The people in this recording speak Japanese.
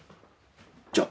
じゃあ。